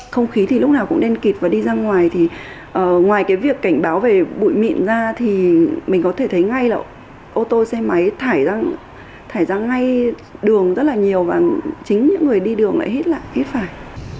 không khí thì lúc nào cũng nên kịp và đi ra ngoài thì ngoài cái việc cảnh báo về bụi mịn ra thì mình có thể thấy ngay là ô tô xe máy thải ra thải ra ngay đường rất là nhiều và chính những người đi đường lại hít lại hít phải